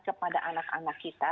kepada anak anak kita